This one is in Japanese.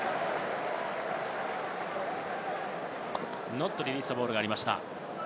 ノットリリースザボールがありました。